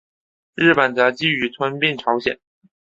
日本则觊觎吞并朝鲜。